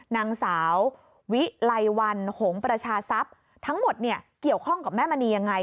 นางสาววิไลวันหงประชาทรัพย์ทั้งหมดเนี่ยเกี่ยวข้องกับแม่มณียังไง